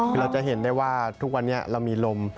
คือเราจะเห็นได้ว่าทุกวันนี้เรามีลม